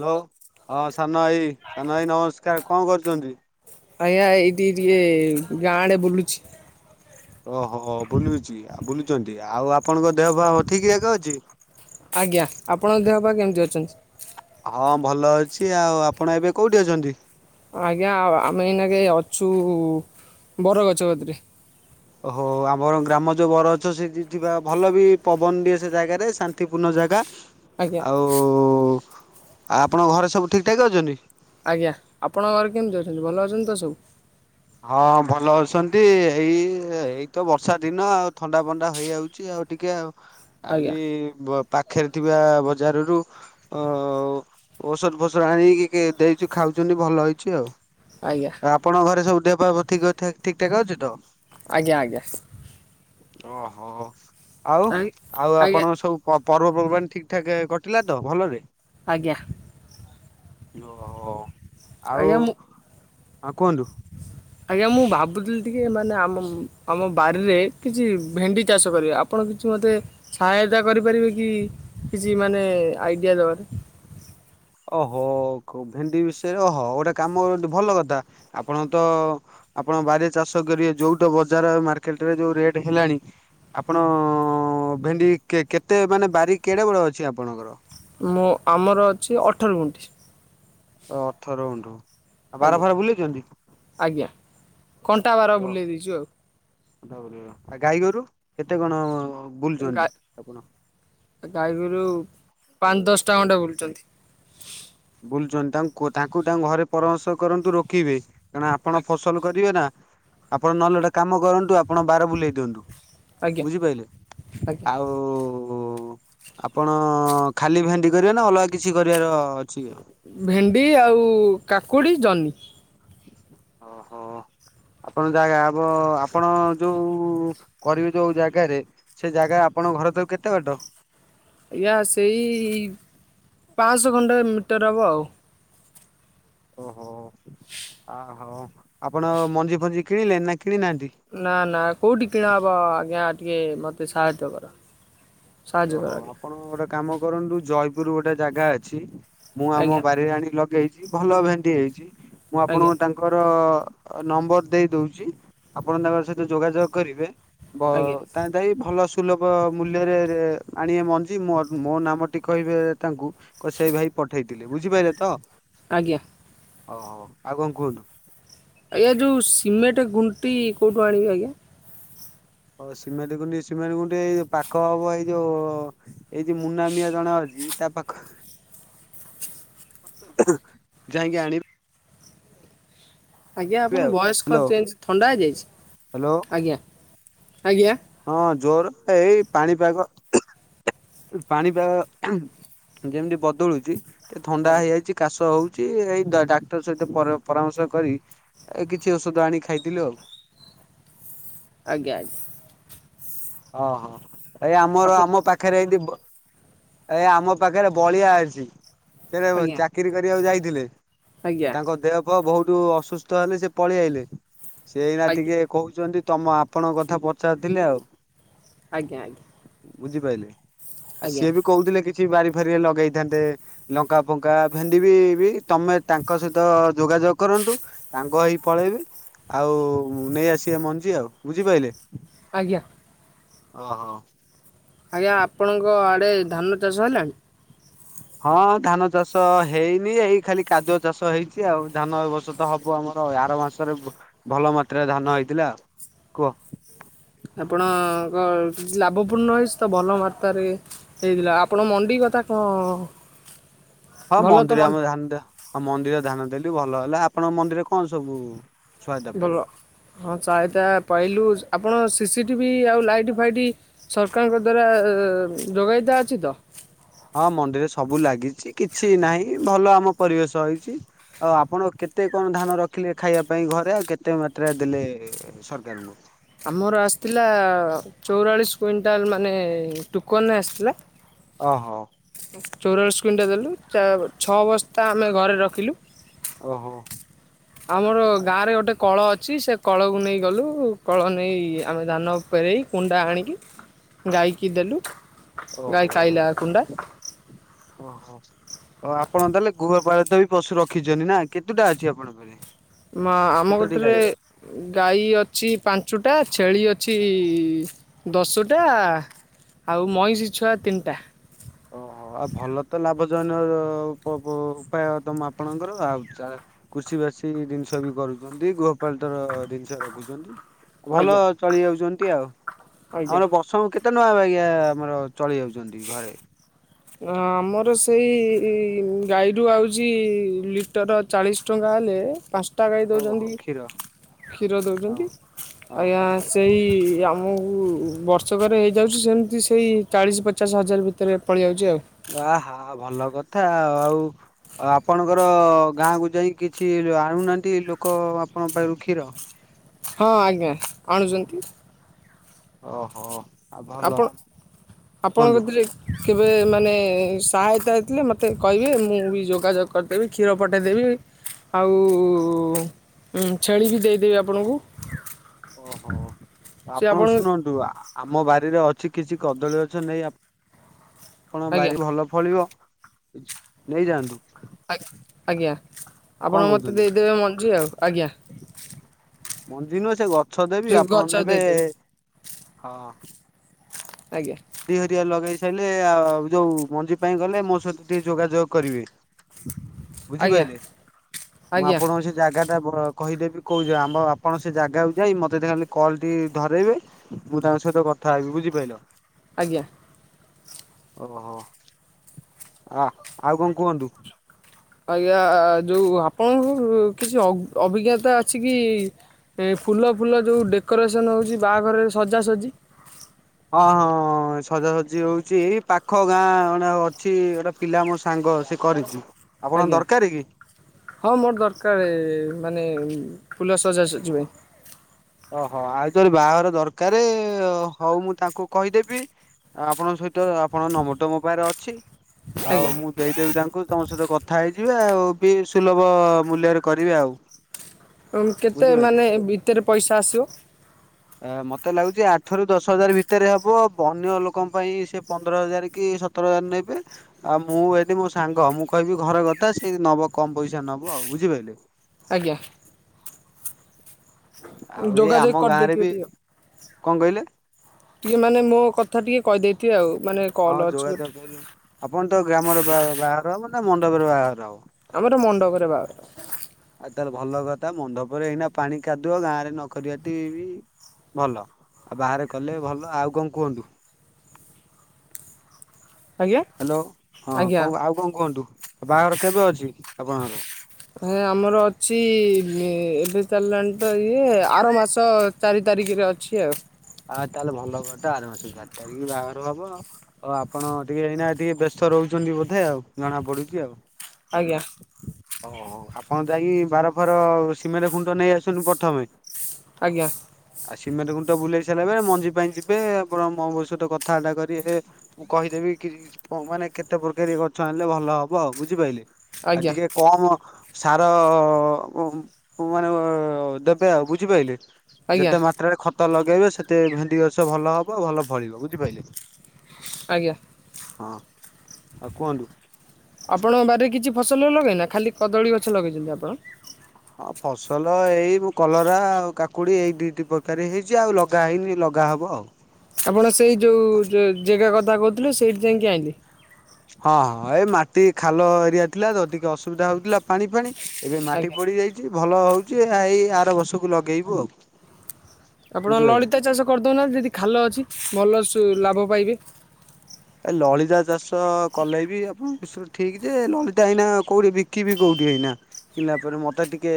Hello ହଁ ସାନଭାଇ ସାନଭାଇ ନମସ୍କାର କଣ କରୁଚନ୍ତି? ଆଜ୍ଞା ଏଇଠି ଟିକେ ଗାଁ ଆଡେ ବୁଲୁଛି। ଓହୋ ବୁଲୁଚି ବୁଲୁଚନ୍ତି ଆଉ ଆପଣଙ୍କ ଦେହ ପା ଠିକ୍ ଯାକ ଅଛି? ଆଜ୍ଞା ଆପଣଙ୍କ ଦେହ ପା କେମିତି ଅଛନ୍ତି? ହଁ ଭଲଅଛି ଆଉ ଆପଣ ଏବେ କୋଉଠି ଅଛନ୍ତି? ଆଜ୍ଞା ଆମେ ଏଇନାକେ ଅଛୁ ବରଗଛ କତିରେ। ଓହୋ ଆମର ଗ୍ରାମ ଯୋ ବରଅଛ ସେଠି ଥିବା ଭଲ ବି ପବନ ଦିଏ ସେ ଜାଗାରେ ଶା ତିପୂର୍ଣ୍ଣ ଜାଗା ଆଜ୍ଞା ଆଉ ଆପଣଙ୍କ ଘରେ ସବୁ ଠିକ୍ ଠାକ୍ ଅଛନ୍ତି? ଆଜ୍ଞା ଆପଣଙ୍କ ଘରେ କେମିତି ଅଛନ୍ତି ଭଲ ଅଛନ୍ତି ତ ସବୁ? ହଁ ଭଲ ଅଛନ୍ତି ଏଇ ଏଇତ ବର୍ଷାଦିନ ଆଉ ଥଣ୍ଡାଫଣ୍ଡା ହେଇଯାଉଛି ଆଉ ଟିକେ ଆଉ। ଆ ଆଜ୍ଞା ବି ପାଖରେ ଥିବା ବଜାରରୁୁ ହ ଔଷଧ ଫୋଷଧ ଆଣିକି ଦେଇଛୁ ଖାଉଛନ୍ତି ଭଲ ହେଇଛି ଆଉ। ଆଜ୍ଞା। ଆଉ ଆପଣଙ୍କ ଘରେ ସବୁ ଦେହ ପା ଠିକ୍ ଠାକ୍ ଠିକ୍ ଠାକ୍ ଅଛି ତ? ଆଜ୍ଞା ଆଜ୍ଞା। ଓହୋ ଆଉ ଆ ଆଉ ଆଜ୍ଞା ଆପଣ ସବୁ ପ ପର୍ବପର୍ବାଣ ଠିକ୍ ଠାକ୍ କଟିଲା ତ ଭଲରେ? ଆଜ୍ଞା। ଓହୋ ଆଉ ଆଜ୍ଞା ମୁଁ ହଁ କୁହନ୍ତୁ? ଆଜ୍ଞା ମୁଁ ଭାବୁଥିଲି ଟିକେ ମାନେ ଆମ ଆମ ବାରିରେ କିଛି ଭେଣ୍ଡି ଚାଷ କରିବା ଆପଣ କିଛି ମୋତେ ସହାୟତା କରିପାରିବେ କି କିଛି ମାନେ ଆଇଡ଼ିଆ ଦେବାରେ। ଓହୋ ଭେଣ୍ଡି ବିଷୟରେ ଓହୋ ଗୋଟେ କାମ କରନ୍ତୁ ଭଲ କଥା ଆପଣ ତ ଆପଣ ବାରି ଚାଷ କରିବେ ଯୋଉ ବଜାର ମାର୍କେଟରେ ଯୋଉ ରେଟ ହେଲାଣି। ଆପଣ ଭେଣ୍ଡି କେ କେତେ ମାନେ ବାରି କେଡ଼େବଡ ଅଛି ଆପଣଙ୍କର? ମୁଁ ଆମର ଅଛି ଅଠର ଗୁଣ୍ଠି। ଅ ଅଠର ଗୁଣ୍ଠୁ। ଆଉ ବାର ଆଜ୍ଞା ଫାର ବୁଲେଇଛନ୍ତି? ଆଜ୍ଞା କଣ୍ଟା ବାର ବୁଲେଇ ଦେଇଛୁ ଆଉ। ଆ ଗାଈଗୋରୁ କେତେ କଣ ବୁଲୁଛନ୍ତି ଆପଣଙ୍କ? ଗାଈଗିରୁ ପାଞ୍ଚ ଦଶଟା ଖଣ୍ଡେ ବୁଲୁଛନ୍ତି। ବୁଲୁଛନ୍ତି ତାଙ୍କୁ ତାଙ୍କୁ ତା ଘରେ ପରାମର୍ଶ କରନ୍ତୁ ରୋକିବେ କାରଣ ଆପଣ ଫସ ଲ କରିବେ ନା ଆପଣ ନହଲେ ଗୋଟେ କାମ କରନ୍ତୁ ଆପଣ ବାର ବୁଲେଇ ଦିଅନ୍ତୁ ଆଜ୍ଞା ବୁଝିପାରିଲେ ଆଜ୍ଞା ଆଉ ଓ ଆପଣ ଖାଲି ଭେଣ୍ଡି କରିବେ ନା ଅଲଗା କିଛି କରିବାର ଅ ଅଛିକି ଆଉ। ଭେଣ୍ଡି ଆଉ କାକୁଡ଼ି ଜହ୍ନି। ହ। [unintelligible] ଆପଣ ଜାଗା ଆବ ଆପଣ ଯୋଉ କରିବେ ଯୋଉ ଜାଗାରେ ସେ ଜାଗା ଆପଣଙ୍କ ଘରେ ତକୁ କେତେ ବାଟ? ଆଜ୍ଞା ସେଇ ପାଞ୍ଚଶହ ଖଣ୍ଡେ ମିଟର ହେବ ଆଉ। ଓହୋ ଆହୋ ଆପଣ ମଞ୍ଜି ଫଞ୍ଜି କିଣିଲେନ ନା କିଣି ନାହାନ୍ତି? ନା ନା କୋଉଠି କିଣାହବ ଆଜ୍ଞା ଟିକେ ମତେ ସାହାଯ୍ୟ କର। ସାହାଯ୍ୟ ଓହୋ କର ଟିକେ। ଆପଣ ଗୋଟେ କାମ କରନ୍ତୁ ଜୟପୁର ଗୋଟେ ଜାଗା ଅଛି ମୁଁ ଆମ ଆଜ୍ଞା ବାରିରେ ଆଣି ଲଗେଇଛି ଭଲ ଭେଣ୍ଡି ହେଇଛି ମୁଁ ଆଜ୍ଞା ଆପଣଙ୍କୁ ତାଙ୍କ ତାଙ୍କର ନମ୍ବର ଦେଇଦଉଛି ଆପଣ ତାଙ୍କ ସହିତ ଯୋଗାଯୋଗ କରିବେ। ବ ଆଜ୍ଞା ତାଇଁ ତାଇଁ ଭଲ ସୁଲଭ ମୂଲ୍ୟରେ ଆଣିବେ ମଞ୍ଜି ମୋ ମୋ ନାମଟି କହିବେ ତାଙ୍କୁ। କ ସେଇ ଭାଇ ପଠେଇଥିଲେ ବୁଝିପାଇଲେ ତ। ଆଜ୍ଞା। ଓହଉ ଆଉ କଣ କୁହନ୍ତୁ। ଆଜ୍ଞା ଯୋଉ ସିମେଣ୍ଟ ଗୁଣ୍ଟି କୋଉଠୁ ଆଣିବି ଆଜ୍ଞା? ହଉ ସିମେଣ୍ଟ ଖୁଣ୍ଟି ସିମେଣ୍ଟ ଖୁଣ୍ଟି ଏଇ ପାଖ ହବ ଏଇ ଯୋଉ ଏଇ ଯୋଉ ମୁନାମିଆ ଜଣେ ଅଛି ତା ପାଖ [unintelligible] ଯାଇକି ଆଣି ଆଜ୍ଞା ଆପଣ ଆଉ ବୟସ୍ କଁ ହ୍ୟାଲୋ ଚେଞ୍ଜ ଥଣ୍ଡା ହ୍ୟାଲୋ ହେଇଯାଇଛି ଆଜ୍ଞା ଆଜ୍ଞା। ହଁ ଜୋରରେ ଏଇ ପାଣିପାଗ ପାଣିପାଗ ଯେମିତି ବଦଳୁଛି ଟିକେ ଥଣ୍ଡା ହେଇଯାଇଛି। କାଶ ହଉଛି ଏଇ ଡାକ୍ତର ସହିତ ପରାମର୍ଶ କରି ଏଇ କିଛି ଔଷଧ ଆଣି ଖାଇଥିଲୁ ଆଉ। ଆଜ୍ଞା ଆଜ୍ଞା। ଓହୋ ଏଇ ଆମର ଆପଣ ଆମ ପା ପାଖରେ ଏମିତି ଏ ଆମ ପାଖରେ ବଳିଆ ଅଛି ସେଟି ଚା ଆଜ୍ଞା ଚାକିରି କରିବାକୁ ଯାଇଥିଲେ ଆଜ୍ଞା ତାଙ୍କ ଦେହ ପୁଅ ବହୁତ୍ ଅସୁସ୍ଥ ହେଲେ ସେ ପଳେଇ ଆଇଲେ ସେଇନା ଆଜ୍ଞା ଟିକେ କହୁଛନ୍ତି ତମ ଆପଣଙ୍କ କଥା ପଚାରୁଥିଲେ ଆଉ। ଆଜ୍ଞା ଆଜ୍ଞା। ବୁଝିପାରିଲେ ଆଉ ଆଜ୍ଞା ସିଏ ବି କହୁଥିଲେ କିଛି ବାରି ଫାରିରେ ଲଗେଇଥାନ୍ତେ। ଲଙ୍କା ଫଙ୍କା ଭେଡିିବି ବି ତମେ ତାଙ୍କ ସହିତ ଯୋଗାଯୋଗ କରନ୍ତୁ। ସାଙ୍ଗ ହେଇକି ପଳେଇବି ଆଉ ନେଇ ଆସିବେ ମଞ୍ଜି ଆଉ ବୁଝିପାରିଲେ? ଆଜ୍ଞା। ଓହୋ। ଆଜ୍ଞା ଆପଣଙ୍କ ଆଡ଼େ ଧାନ ଚାଷ ହେଲାଣି? ହଁ ଧାନ ଚାଷ ହେଇନି ଏଇ ଖାଲି କାଦୁଅ ଚାଷ ହେଇଛି ଆଉ ଧାନ ବର୍ଷ ତ ହବ ଆମର ଆର ମାସ ଭଲ ମାତ୍ରାରେ ଧାନ ହେଇଥିଲା ଆଉ କୁହ? ଆପଣଙ୍କ କି ଲାଭପୂର୍ଣ୍ଣ ହେଇଛି ତ ଭଲ ମାତ୍ରାରେ? ହେଇଥିଲା ଆପଣ ମଣ୍ଡି କଥା କଣ? ହଁ ଭଲ ତ ମଣ୍ଡିରେ ଆମେ ମଣ୍ଡି ଧାନ ଦେ ହଁ ମଣ୍ଡିରେ ଧାନ ଦେଲୁ ଭଲ ହେଲା ଆପଣଙ୍କ ମଣ୍ଡିରେ କଣ ସବୁ? ସହାୟତା ପାଇଲେ? ଭଲ ହଁ ଚାହିତା ପାଇଲୁ ଆପଣ ସିସିଟିଭି ଆଉ ଲାଇଟ୍ ଫାଇଟ୍ ସରକାରଙ୍କ ଦ୍ଵାରା ଯୋଗାଇତା ଅଛି ତ? ହଁ ମଣ୍ଡିରେ ସବୁ ଲାଗିଛି କିଛି ନାହିଁ ଭଲ ଆମ ପରିବେଶ ହେଇଛି। ଆଉ ଆପଣ କେତେ କଣ ଧାନ ରଖିଲେ ଖାଇବା ପାଇଁ ଘରେ ଆଉ କେତେ ମାତ୍ରାରେ ଦେଲେ ସରକାର ଙ୍କୁ? ଆମର ଆସିଥିଲା ଚଉରାଳିଶି କୁଇଣ୍ଟାଲ ମାନେ ଟୋକନ ଆସିଥିଲା ଓହୋ। ଚଉରାଳିଶି କୁଇଣ୍ଟା ଦେଲୁ ଛଅ ବସ୍ତା ଆମେ ଘରେ ରଖିଲୁ। ଓହୋ। ଆମର ଗାଁରେ ଗୋଟେ କଳ ଅଛି ସେ କଳକୁ ନେଇ ଗଲୁ କଳ ନେଇ ଆମେ ଧାନ ପେରେଇ କୁଣ୍ଡା ଆଣିକି ଗାଈକି ଦେଲୁ ଗାଈ ଓହୋ। ଖାଇଲା କୁଣ୍ଡା। ଓହୋ ଆପଣ ଦେଲେ ଗୃହ ପାଳିତ ବି ପଶୁ ରଖିଛନ୍ତି ନା କେତୁଟା ଅଛି ଆପଣଙ୍କ ଘରେ? ମା ଆମ କତିରେ ଗାଈ ଅଛି ପାଞ୍ଚଟା ଛେଳି ଅଛି ଦଶୁଟା ଆଉ ମଇଁଷି ଛୁଆ ତିନିଟା। ଓହୋ ଆଉ ଭଲ ତ ଲାଭଜନ ଉ ଉପାୟ ତମ ଆପଣଙ୍କର ଆଉ [unintelligible] କୃଷି ବାସୀ ଜିନିଷ ବି କରୁଛନ୍ତି ଗୃହପାଳିତ ର ଜିନିଷ ରଖୁଛନ୍ତି। ଭଲ ଆଜ୍ଞା ଚଳି ଯାଉଛନ୍ତି ଆଉ ଆଜ୍ଞା। ଆମର ବସ ସବୁ କେତେ ନୂଆ ବାଗିଆ ଆମର ଚଳି ଯାଉଚନ୍ତି ଘରେ। ଆମର ସେଇ ଗାଈରୁ ଆଉଚି ଲିଟର। ଚାଳିଶ ଟଙ୍କା ହେଲେ ପାଞ୍ଚ ଟା ଗାଈ ଓହୋ ଦେଉଚନ୍ତି କ୍ଷୀର କ୍ଷୀର ହଁ ଦେଉଚନ୍ତି। ହଁ [unintelligible] ସେଇ ଆମକୁ ବର୍ଷକରେ ହେଇଯାଉଚି ସେମତି ସେଇ ଚାଳିଶ ପଚାଶ, ହଜାର ଭିତେରେ। ପଳେଇ ଯାଉଚି ଆଉ। ଆହା ଭଲ କଥା ଆ ଆଉ ଆପଣଙ୍କର ଗାଁକୁ ଯାଇ କିଛି ଆଣୁନାହାନ୍ତି? ଲୋକ ଆପଣ ପାଇଁ କ୍ଷୀର ହଁ ଆଜ୍ଞା, ଆଣୁଚନ୍ତି। ଓହୋ! ଆଉ ଭଲ ଆପଣ ଆପଣ କୁହନ୍ତୁ କତିରେ? କେବେ ମାନେ ସହାୟତା ହେଇଥିଲେ ମତେ କହିବେ। ମୁଁ ବି ଯୋଗାଯୋଗ କର୍ ଦେବି କ୍ଷୀର ପଟେଦେବି ଆଉ। ଉଁ ଛେଳି ବି ଦେଇଦେବି ଆପଣଙ୍କୁ‌। ଓହୋ, ଆପଣ ଶୁଣନ୍ତୁ, ଆମ ବାରିରେ ଅଛି କିଛି କଦଳୀ ଗଛ ନେଇ ଆପ୍। ଆପଣ ଆଜ୍ଞା ବାରି ଭଲ ଫଳିବ ନେଇଯାଆନ୍ତୁ। ଆକ୍ ଆଜ୍ଞା କଣ ଆପଣ ମୋତେ କହୁଛନ୍ତି ଦେଇଦେବେ ମଞ୍ଜି ଆଉ ଆଜ୍ଞା ମଞ୍ଜି ନୁହଁ ସେ ଗଛ ଦେବି। ସେ ଆପଣ ଗଛ ନେବେ ଦେଇଦେବେ ହଁ? ଆଜ୍ଞା। ‌ଦି ଘରିଆ ଲଗେଇ ସାଇଲେ ଆଉ ଯୋଉ ମଞ୍ଜି ପାଇଁ ଗଲେ ମୋ ସହିତ ଟିକେ ଯୋଗାଯୋଗ କରିବେ। ଆଜ୍ଞା ବୁଝିପାଇଲେ ମୁଁ ଆଜ୍ଞା ଆପଣଙ୍କ ସହିତ। ଜାଗାଟା ବ କହିଦେବି କୋଉ ଆମ ଆପଣ ସେ ଜାଗାକୁ ଯାଇ ମୋତେ ଖାଲି କଲଟିଏ ଧରେଇବେ। ମୁଁ ତାଙ୍କ ସହିତ କଥା ହେବି ବୁଝିପାଇଲ? ଆଜ୍ଞା। ଓହୋ! ଆହା ଆଉ କଣ କୁଅନ୍ତୁ? ଆଜ୍ଞା, ଯୋଉଁ ଆପଣଙ୍କ କିଛି ଅଭ ଅଭିଜ୍ଞତା ଅଛି କି? ଏଇ ଫୁଲ, ଫୁଲ ଯେଉଁ ଡେକୋରେସନ୍ ହେଉଚି ବାହାଘରରେ ସଜାସଜି। ହଁ ହଁ ସଜାସଜି ହେଉଚି। ଏଇ ପାଖ ଗାଁ ମାନେ ଅଛି ଗୋଟାପ୍। ପିଲା ମୋ ସାଙ୍ଗ ସେ କରେ। ଆପଣ ଆଜ୍ଞା। ଦରକାର କି? ହଁ ମୋର ଦରକାରେ। ମାନେ ଫୁଲ ସଜା ସଜି ପାଇଁ। ଓହୋ ଆଉ ତୋରି ବାହାଘର ଦରକାରେ ହଉ ମୁଁ ତାଙ୍କୁ କହିଦେବି। ଆପଣଙ୍କ ସହିତ ଆପଣ ନମ୍ବରଟା ମୋ ପାଖରେ ଅଛି ଆଉ ଆଜ୍ଞା। ମୁଁ ଦେଇଦେବି ତାଙ୍କୁ। ତମ ସହିତ କଥା ହେଇଯିବେ ଆଉ ବି ସୁଲଭ ମୂଲ୍ୟରେ କରିବେ ଆଉ ଓମ୍ କେତେ ବୁଝିପାରିଲେ ମାନେ ଭିତରେ ପଇସା ଆସିବ? ମତେ ଲାଗୁଚି ଆଠ ରୁ ଦଶ ହଜାର, ଭିତରେ ହବ। ବନ୍ୟ ଲୋକଙ୍କ ପାଇଁ ସେ ପନ୍ଦର ହଜାର କି ସତ୍? ତୃରା ନେବେ। ଆଉ ମୁଁ ଏଠି ମୋ ସାଙ୍ଗ ମୁଁ କହିବି ଘରେ କଥା ସେ ନବ କମ ପଇସା ନବ। ଆଉ ବୁଝିପାଇଲେ? ଆଜ୍ଞା। ଆଉ ଏ ଯୋଗାଯୋଗ ଆମ ଗାଁରେ କରିଦେଇଥିବେ ବି ଟିକେ କଣ କହିଲେ? ଯିଏ ମାନେ ମୋ କଥା ଟିଏ କହିଦେଇଥିବେ ଆଉ ମାନେ କଲ୍ ହଁ ଅଛି ଯୋଗାଯୋଗ ଗୋଟେ କରିବୁ। ଆପଣ ତ ଗ୍ରାମର ବା ଘର ହବ ନା ମଣ୍ଡପରେ ବାହାର ଘର ହବ? ଆମର ମଣ୍ଡପରେ ବାହାଘର। ଆଉ ତାରେ ଭଲ କଥା। ମଣ୍ଡପରେ ଏଇନା ପାଣି କାଦୁଅ ଗାଁରେ ନ କରିବାଟି ବି ଭଲ। ଆଉ ବାହାରେ କଲେ ଭଲ। ଆଉ କଣ କୁହନ୍ତୁ? ଆଜ୍ଞା ହ୍ୟାଲୋ ହଁ, ଆଜ୍ଞା। କଣ ଆଉ କଣ କୁହନ୍ତୁ, ବାହାଘର କେବେ ଅଛି ଆପଣଙ୍କର? ହେ ଆମର ଅଛି, ଏବେ ଚାଲିଲାଣି ତ ଇଏ ଆର ମାସ ଚାରି ତାରିଖରେ ଅଛି ଆଉ। ଆଉ ତାହେଲେ ଭଲ କଥା, ଆର ମାସ ଚାରି ତାରିଖ ବାହାଘର ହବ ଆଉ। ଓ ଆପଣ ଟିକେ ଏଇନା ଟିକେ ବ୍ୟସ୍ତ ରହୁଛନ୍ତି ବୋଧେ ଆଉ ଜଣା ପଡୁଛି ଆଉ। ଆଜ୍ଞା। ଓହୋ, ଆପଣ ଯାଇକି ବାର ଫାର ସିମେଟ ଖୁଣ୍ଟ ନେଇ ଆସନ୍ତୁ ପ୍ରଥମେ। ଆଜ୍ଞା। ଆଉ ସିମେଟ ଖୁଣ୍ଟ ବୁଲେଇ ସାରିଲା ମାନେ ମଞ୍ଜି ପାଇଁ ଯିବେ, ଆପଣ ମଙ୍ଗୁ ସହିତ କଥାବାର୍ତ୍ତା କରିରେ ମୁ କହିଦେବି କିଛି କିଛି କଣ ମାନେ କେତେ ପ୍ରକାରୀ ଗଛ ଆଣିଲେ ଭଲ ହବ ଆଉ ବୁଝିପାଇଲେ, ଆ ଆଜ୍ଞା ଟିକେ କମ୍ ସାର ମାନେ ଦେବେ ଆଉ ବୁଝିପାଇଲେ? ଆଜ୍ଞା ଯେତେ ମାତ୍ରାରେ ଖତ ଲଗେଇବେ ସେତେ ଭେଣ୍ଡିଗଛ ଭଲ ହବ ଭଲ ଫଳିବ ବୁଝିପାଇଲେ। ଆଜ୍ଞା। ହଁ, ଆଉ କୁହନ୍ତୁ? ଆପଣଙ୍କ ବାରିରେ କିଛି ଫସଲ ଲଗେଇନା ଖାଲି କଦଳୀ ଗଛ ଲଗେଇଛନ୍ତି ଆପଣ? ହଁ ଫସଲ ଏଇ କଲରା ଆଉ କାକୁଡ଼ି ଏଇ ଦି ଦି ପ୍ରକାର ହେଇଛି ଆଉ ଲଗା ହେଇନି ଲଗା ହବ ଆଉ। ଆପଣ ସେଇ ଯୋଉ ଜେ ଜେଗା କଥା କହୁଥିଲେ ସେଇଠି ଯାଇଁକି ଆଇଁଲେ। ହଁ ହଁ ଏ ମାଟି ଖାଲ ଏରିଆ ଥିଲା ତ ଟିକେ ଅସୁବିଧା ହଉଥିଲା ପାଣି ଫାଣି ଏବେ ମାଟି ଆଜ୍ଞା। ପଡି ଯାଇଛି ଭଲ ହଉଛି ଏଇ ଆର ବର୍ଷକୁ ଲଗେଇବୁ ଆଉ। ଆପଣ ବୁଝିପାରିଲେ। ଲଳିତା ଚାଷ କରିଦଉନାନ୍ତି ଯଦି ଖାଲ ଅଛି ଭଲ ସୁ ଲାଭ ପାଇବେ। ଏ ଲଳିତା ଚାଷ କଲେବି ଆପଣଙ୍କ ବିଷୟ ଠିକ୍ ଯେ ଲଳିତା ଏଇନା କୋଉଠି ବିକିବି କୋଉଠି ଏଇନା? ବିକିିଲା ପରେ ମତେ ଟିକେ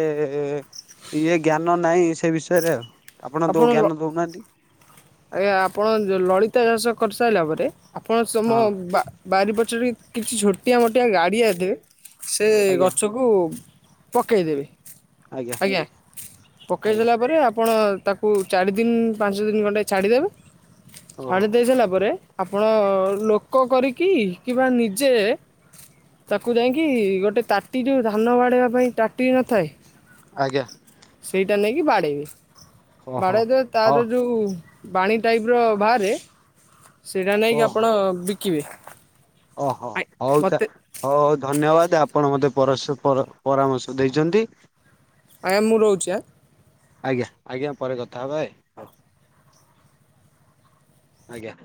ଇଏ ଜ୍ଞାନ ନାହିଁ ସେ ବିଷୟରେ ଆଉ। ଆପଣ ଦୋ ଜ୍ଞାନ ଦଉନାହାନ୍ତି। ଆଜ୍ଞା ଆପଣ ଯୋଉ ଲଳିତା ଚାଷ କରିସାଇଲା ପରେ ଆପଣ ହଁ ସୋମବା ବାରି ପଛରେ କିଛି ଛୋଟିଆ ମୋଟିଆ ଗାଡ଼ିଆଥିବେ, ସେ ଆଜ୍ଞା ଗଛ କୁ ପକେଇଦେବେ, ଆଜ୍ଞା ପକେଇ ଆଜ୍ଞା ସାଇଲା ପରେ ଆପଣ ତାକୁ ଚାରିଦିନ୍ ପାଞ୍ଚଦିନ୍ ଖଣ୍ଡେ ଛାଡିଦେବେ ଛାଡି ଓହୋ ଦେଇ ସାଇଲା ପରେ ଆପଣ ଲୋକ କରିକି କିମ୍ବା ନିଜେ ତାକୁ ଯାଇକି ଗୋଟେ ତାଟି ଯୋଉ ଧାନ ବାଡ଼େଇବା ପାଇଁ ତାଟି ନଥାଏ? ଆଜ୍ଞା। ସେଇଟା ନେଇକି ବାଡ଼େଇବେ। ଓହୋ ବାଡେଇଦେବେ ହଁ ତାର ଯୋଉ ବାଣି ଟାଇପର ବାହାରେ ସେଇଟା ନେଇକି ଓହୋ ଆପଣ ବିକିବେ? ଓହୋ ଆଜ୍ଞା, ହଉ ତା ମୋତେ ହଉ ହଉ ଧନ୍ୟବାଦ ଆପଣ ମୋତେ ପରଶ୍ୟ ପର ପରାମର୍ଶ ଦେଇଚନ୍ତି। ଆଜ୍ଞା ମୁଁ ରହୁଛି ଆ? ଆଜ୍ଞା ଆଜ୍ଞା ପରେ କଥା ହବା ଏ। ଆଜ୍ଞା।